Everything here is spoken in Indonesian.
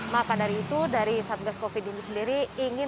maka dari itu dari satgas covid sembilan belas ini sendiri